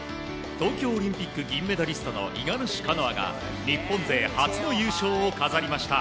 東京オリンピック銀メダリストの五十嵐カノアが日本勢初の優勝を飾りました。